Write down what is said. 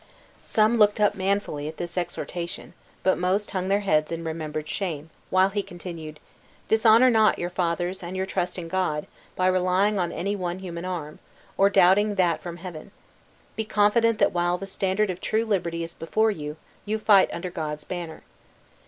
Some looked manfully up at this exhortation; but most hung their heads in remembered shame, while he continued: "Dishonor not your fathers and your trust in God by relying on any one human arm, or doubting that from heaven. Be confident that while the standard of true liberty is before you, you fight under God's banner.